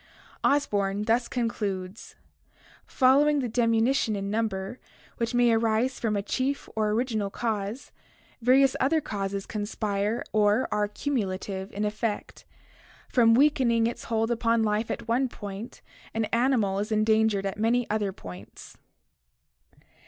Osborn thus concludes: "Following the diminution in number which may arise from a chief or original cause, various other causes conspire or are cumulative in effect. From weakening its hold upon life at one point an animal is endangered at many other points."